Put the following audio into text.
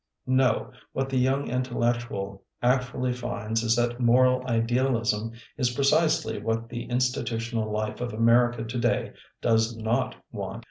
No, what the young intellectual ac tually finds is that moral idealism is precisely what the institutional life of America today does not want.